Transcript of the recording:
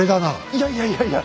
いやいやいやいや！